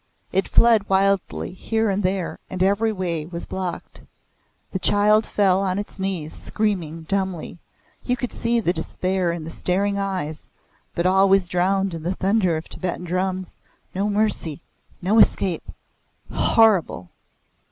It fled wildly here and there and every way was blocked. The child fell on its knees, screaming dumbly you could see the despair in the staring eyes, but all was drowned in the thunder of Tibetan drums. No mercy no escape. Horrible!"